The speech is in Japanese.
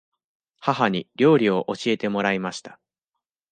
母に料理を教えてもらいました。